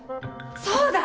そうだ！